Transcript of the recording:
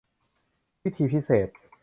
วิธีพิเศษ